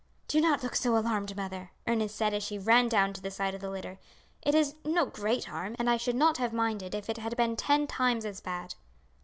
"Do not look so alarmed, mother," Ernest said as she ran down to the side of the litter. "It is no great harm, and I should not have minded if it had been ten times as bad."